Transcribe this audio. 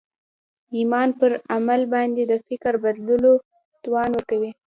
ایمان پر عمل باندې د فکر بدلولو توان ورکوي